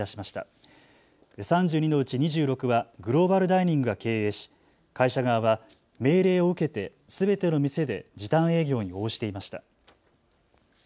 ３２のうち２６はグローバルダイニングが経営し会社側は命令を受けてすべての店で時短営業に応じていました。